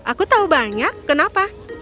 aku tahu banyak kenapa